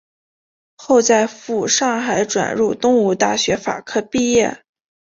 后在赴上海转入东吴大学法科毕业。